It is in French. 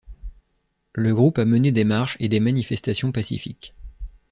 Le groupe a mené des marches et des manifestations pacifiques.